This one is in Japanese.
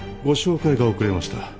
ご紹介が遅れました